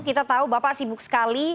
kita tahu bapak sibuk sekali